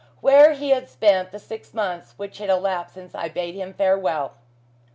Where had he spent the six months which had elapsed since I bade him farewell?